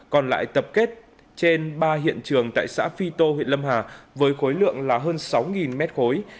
còn lại tập kết trên ba hiện trường tại xã phi tô huyện lâm hà với khối lượng là hơn sáu mét khối